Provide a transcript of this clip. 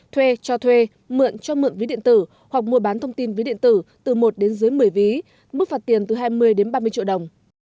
thuê cho thuê mượn cho mượn ví điện tử hoặc mua bán thông tin ví điện tử từ một đến dưới một mươi ví mức phạt tiền từ hai mươi đến ba mươi triệu đồng